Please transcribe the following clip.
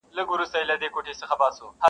چي پکښي و لټوو لار د سپین سبا په لوري,